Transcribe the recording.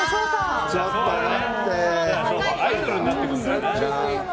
アイドルになってくるとな。